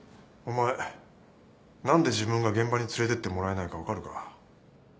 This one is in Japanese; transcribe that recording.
お前何で自分が現場に連れてってもらえないか分かるか？